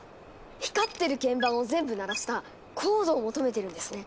光ってる鍵盤を全部鳴らしたコードを求めてるんですね！